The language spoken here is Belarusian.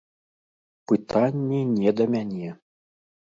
Пытанні не да мяне.